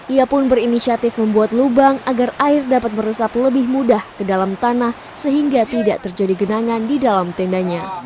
ia pun berinisiatif membuat lubang agar air dapat meresap lebih mudah ke dalam tanah sehingga tidak terjadi genangan di dalam tendanya